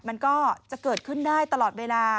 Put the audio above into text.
มันก็จะเกิดขึ้นได้ตลอดเวลา